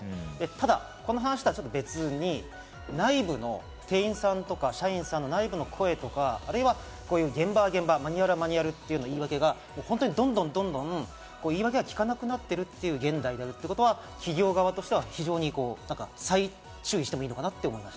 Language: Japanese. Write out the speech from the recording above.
ただ、この話とは別に内部の店員さんとか、社員さん、内部の声とか、或いは現場は現場、マニュアルはマニュアルということが、言い訳がきかなくなっているという現代であることは企業側としては非常に再注意してもいいかなと思います。